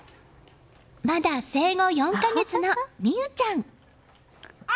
まだ生後４か月の美兎ちゃん。